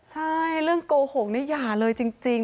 ใช่เรื่องโกหกนี่อย่าเลยจริง